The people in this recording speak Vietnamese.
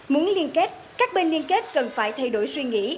muốn liên kết các bên liên kết cần phải thay đổi suy nghĩ